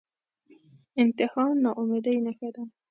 انتحار ناامیدۍ نښه ده